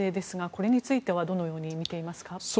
これについてはどのように、みていますか？